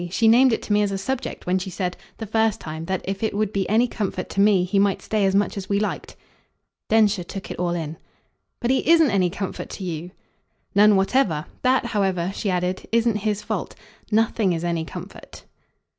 She named it to me as a subject when she said, the first time, that if it would be any comfort to me he might stay as much as we liked." Densher took it all in. "But he isn't any comfort to you!" "None whatever. That, however," she added, "isn't his fault. Nothing's any comfort."